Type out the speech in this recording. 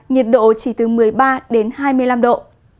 nhiệt độ chỉ từ một mươi ba đến hai mươi năm độ